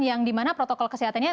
yang dimana protokol kesehatannya